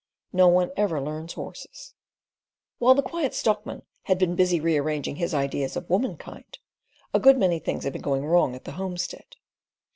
"No one ever learns horses." While the Quiet Stockman had been busy rearranging his ideas of womankind, a good many things had been going wrong at the homestead.